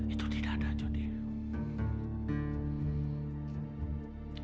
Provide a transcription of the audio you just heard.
itu tidak ada jodir